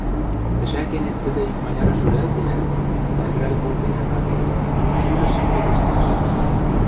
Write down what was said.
Тӹшӓкенет тӹдӹ икманяры шӱлӓлтенӓт, мӓгӹрӓл колтенӓт ак керд – шӱлӹшӹм кӹдежтен шӹнден.